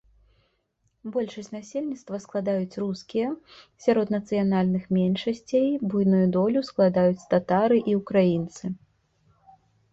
Большасць насельніцтва складаюць рускія, сярод нацыянальных меншасцей буйную долю складаюць татары і украінцы.